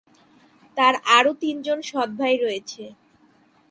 তার আরও তিনজন সৎ ভাই রয়েছে।